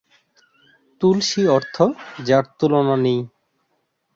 তুলসী অর্থ যার তুলনা নেই।